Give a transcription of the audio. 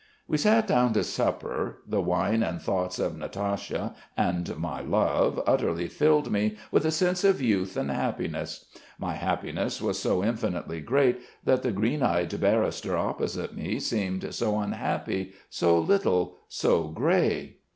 "We sat down to supper. The wine and thoughts of Natasha and my love utterly filled me with a sense of youth and happiness. My happiness was so infinitely great that the green eyed barrister opposite me seemed so unhappy, so little, so grey!"